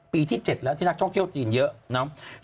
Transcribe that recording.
ปีที่๗แล้วที่นักท่องเที่ยวจีนเยอะเนาะ